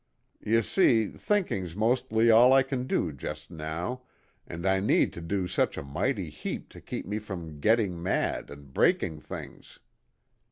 Y'see, thinking's mostly all I can do just now, and I need to do such a mighty heap to keep me from getting mad and breaking things.